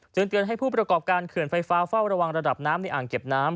เตือนให้ผู้ประกอบการเขื่อนไฟฟ้าเฝ้าระวังระดับน้ำในอ่างเก็บน้ำ